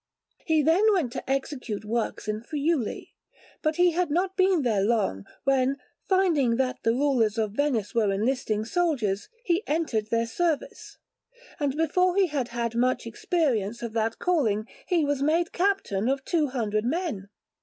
He then went to execute works in Friuli, but he had not been there long when, finding that the rulers of Venice were enlisting soldiers, he entered their service; and before he had had much experience of that calling he was made Captain of two hundred men.